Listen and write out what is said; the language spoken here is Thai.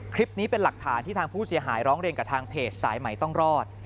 คลิปนี้เป็นหลักฐานที่ทางผู้เสียหายร้องเรียนกับทางเพจสายใหม่ต้องรอด